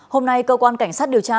hôm nay cơ quan cảnh sát điều tra